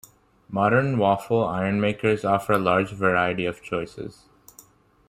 Modern waffle iron makers offer a large variety of choices.